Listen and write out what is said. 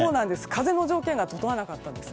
風の条件が整わなかったんです。